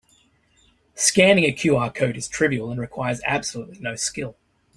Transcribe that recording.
Scanning a QR code is trivial and requires absolutely no skill.